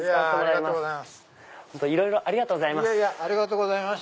いろいろありがとうございます。